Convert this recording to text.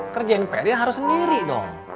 kerjain prnya harus sendiri dong